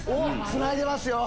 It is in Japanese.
つないでますよ。